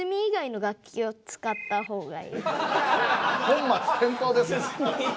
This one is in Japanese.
本末転倒です。